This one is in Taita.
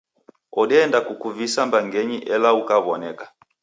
Odeenda kukuvisa mbangeni ela ukaw'oneka.